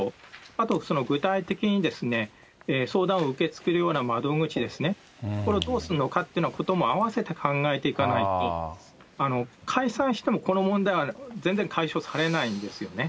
あと、具体的に相談を受け付けるような窓口ですね、これをどうするのかというようなことも併せて考えていかないと、解散してもこの問題は全然解消されないんですよね。